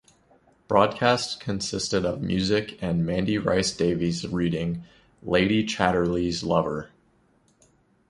Broadcasts consisted of music and Mandy Rice-Davies reading "Lady Chatterley's Lover".